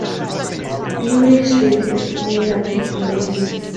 Murray Street is named after the Murrays.